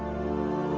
saya tidak tahu